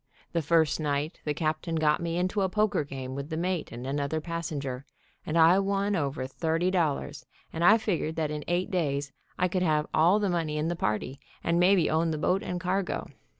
The first night the captain got me into a poker game with the mate and another passenger, and I won over thirty dollars, and I figured that in eight days I could have all the money in the party, and maybe own the boat and cargo.